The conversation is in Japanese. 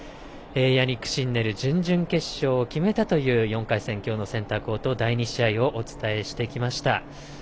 ヤニック・シンネル準々決勝を決めたという４回戦きょうのセンターコート第２試合をお伝えしてきました。